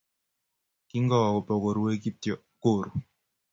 Kingowo bukorue kityo, koruu